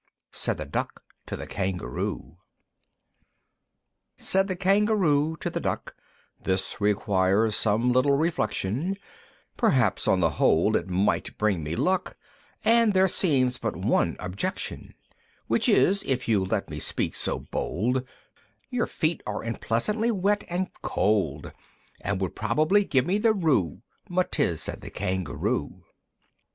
Said the Duck to the Kangaroo. III. Said the Kangaroo to the Duck, "This requires some little reflection; Perhaps on the whole it might bring me luck, And there seems but one objection, Which is, if you'll let me speak so bold, Your feet are unpleasantly wet and cold, And would probably give me the roo Matiz!" said the Kangaroo.